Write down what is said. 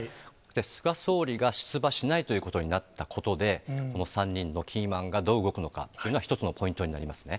菅総理が出馬しないということになったことで、この３人のキーマンがどう動くのかっていうのは、１つのポイントになりますね。